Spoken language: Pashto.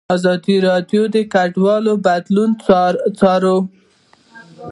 ازادي راډیو د کډوال بدلونونه څارلي.